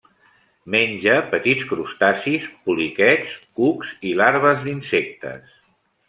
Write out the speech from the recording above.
Menja petits crustacis, poliquets, cucs i larves d'insectes.